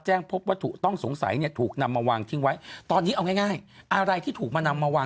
เชิญกันตรงตรงแบบดำ